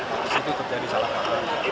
habis itu terjadi salah satu